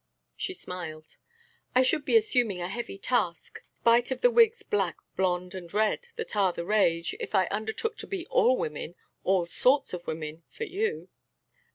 She smiled: "I should be assuming a heavy task, spite of the wigs black, blonde and red, that are the rage, if I undertook to be all women, all sorts of women, for you."